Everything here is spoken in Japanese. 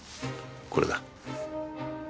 これだ。